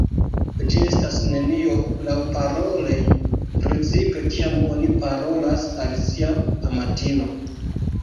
Ĝi estas nenio laŭparole, precipe kiam oni parolas al sia amatino.